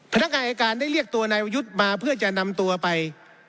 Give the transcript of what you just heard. พนักงานอายการได้เรียกตัวนายวยุทธ์มาเพื่อจะนำตัวไป